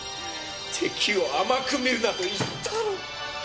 敵を甘く見るなと言ったろ。